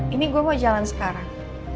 ini gue mau jalan sekarang